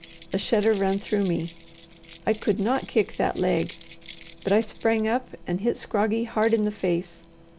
A shudder ran through me: I could not kick that leg; but I sprang up and hit Scroggie hard in the face.